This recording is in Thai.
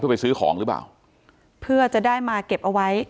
ไปซื้อของหรือเปล่าเพื่อจะได้มาเก็บเอาไว้